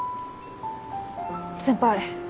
先輩。